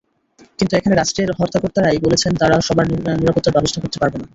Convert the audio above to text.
কিন্তু এখানে রাষ্ট্রের হর্তাকর্তারাই বলছেন তাঁরা সবার নিরাপত্তার ব্যবস্থা করতে পারবেন না।